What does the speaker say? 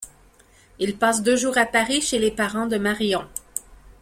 Ils passent deux jours à Paris, chez les parents de Marion.